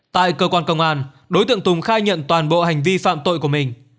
tại cơ quan công an đối tượng tùng khai nhận toàn bộ hành vi phạm tội của mình